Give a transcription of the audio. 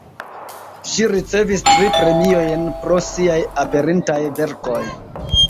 Ŝi ricevis tri premiojn pro siaj aperintaj verkoj.